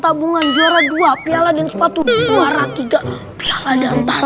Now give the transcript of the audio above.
pertumbuhan juara dua piala dan sepatu warna tiga piala dan tas